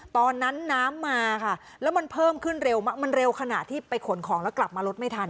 ตอนนั้นน้ำมาค่ะแล้วมันเพิ่มขึ้นเร็วมากมันเร็วขนาดที่ไปขนของแล้วกลับมารถไม่ทัน